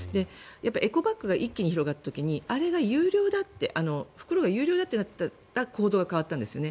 エコバッグが一気に広がった時に袋が有料になったら行動が変わったんですよね。